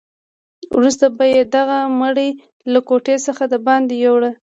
وروسته به یې دغه مړی له کوټې څخه دباندې یووړ.